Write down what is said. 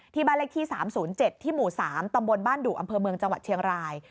บ้านเลขที่๓๐๗ที่หมู่๓ตำบลบ้านดุอำเภอเมืองจังหวัดเชียงราย